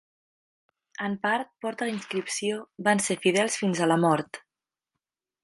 En part, porta la inscripció "van ser fidels fins a la mort".